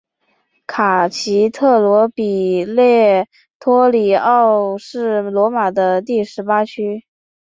卡斯特罗比勒陀里奥是罗马的第十八区。